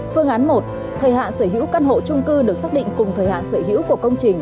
phương án một thời hạn sở hữu căn hộ trung cư được xác định cùng thời hạn sở hữu của công trình